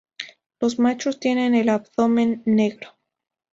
Los machos tienen el abdomen negro.